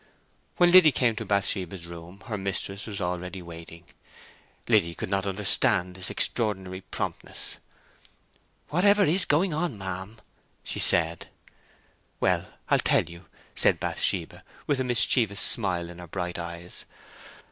When Liddy came to Bathsheba's room her mistress was already waiting. Liddy could not understand this extraordinary promptness. "Whatever is going on, ma'am?" she said. "Well, I'll tell you," said Bathsheba, with a mischievous smile in her bright eyes.